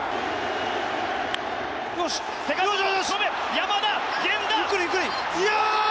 山田、源田！